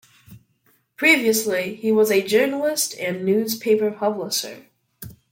Previously, he was a journalist and newspaper publisher.